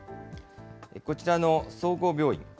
こちらの総合病院。